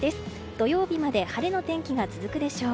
土曜日まで晴れの天気が続くでしょう。